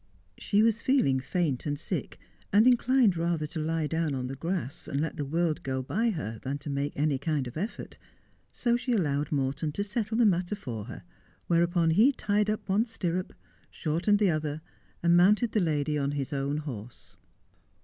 She was feeling faint and sick, and inclined rather to lie down on the grass, and let the world go by her than to make any kind of effort. So she allowed Morton to settle the matter for her, whereupon he tied up one stirrup, shortened the other, and mounted the lady on his own horse.